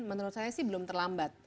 menurut saya sih belum terlambat